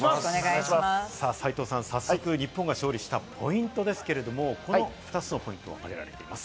斉藤さん、早速日本が勝利したポイントですけれども、２つのポイントを挙げています。